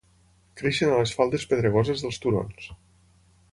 Creixen a les faldes pedregoses dels turons.